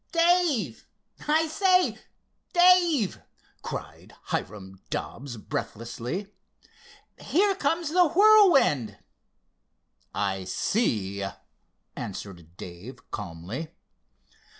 "Dave! I say, Dave!" cried Hiram Dobbs breathlessly. "Here comes the Whirlwind!" "I see," answered Dave calmly.